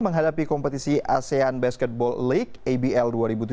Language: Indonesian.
menghadapi kompetisi asean basketball league abl dua ribu tujuh belas